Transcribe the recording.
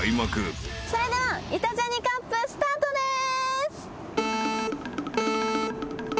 それではイタ×ジャニカップスタートです。